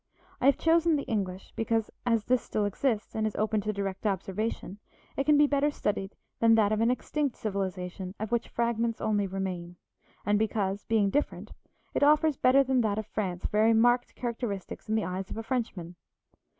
I have chosen the English because, as this still exists and is open to direct observation, it can be better studied than that of an extinct civilization of which fragments only remain; and because, being different, it offers better than that of France very marked characteristics in the eyes of a Frenchman.